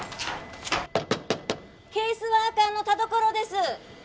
ケースワーカーの田所です！